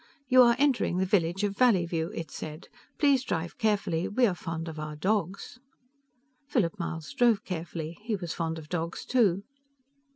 YOU ARE ENTERING THE VILLAGE OF VALLEYVIEW, it said. PLEASE DRIVE CAREFULLY WE ARE FOND OF OUR DOGS. Philip Myles drove carefully. He was fond of dogs, too.